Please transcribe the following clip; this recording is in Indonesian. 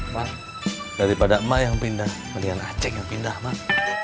mak daripada emak yang pindah mendingan acing yang pindah emak